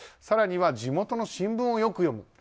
更には、地元の新聞をよく読む。